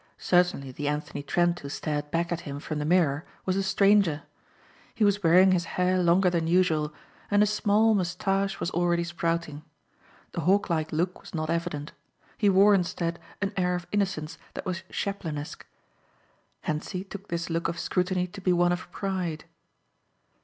Certainly the Anthony Trent who stared back at him from the mirror was a stranger. He was wearing his hair longer than usual and a small moustache was already sprouting. The hawklike look was not evident. He wore, instead, an air of innocence that was Chaplinesque. Hentzi took this look of scrutiny to be one of pride.